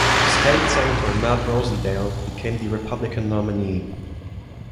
State senator Matt Rosendale became the Republican nominee.